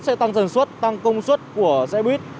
sẽ tăng dần suất tăng công suất của xe buýt